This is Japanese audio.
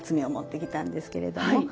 棗を持ってきたんですけれども。